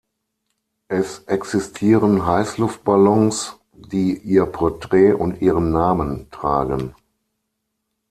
Es existieren Heißluftballons, die ihr Porträt und ihren Namen tragen.